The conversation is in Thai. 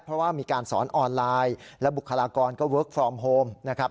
เพราะว่ามีการสอนออนไลน์และบุคลากรก็เวิร์คฟอร์มโฮมนะครับ